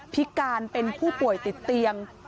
พิการเป็นผู้ป่วยติดเตียง